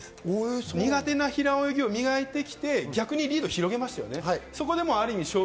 その苦手な平泳ぎを磨いてきて、逆にリードを広げましたよね。